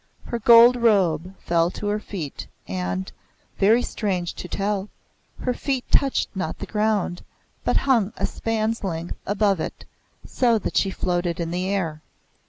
Her gold robe fell to her feet, and very strange to tell her feet touched not the ground, but hung a span's length above it, so that she floated in the air.